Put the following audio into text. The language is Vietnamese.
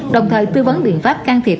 đồng thời tư vấn biện pháp can thiệp